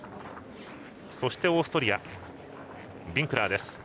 そしてオーストリアビンクラーです。